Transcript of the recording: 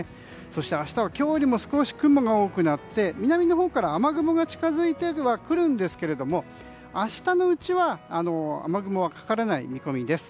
そして明日は今日よりも少し雲が多くなって南のほうから雨雲が近づいてはくるんですけれども明日のうちは雨雲はかからない見込みです。